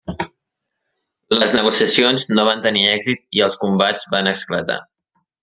Les negociacions no van tenir èxit i els combats van esclatar.